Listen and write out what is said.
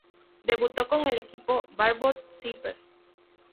Debutó con el equipo Barbot-Siper.